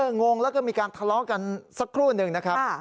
งงแล้วก็มีการทะเลาะกันสักครู่หนึ่งนะครับ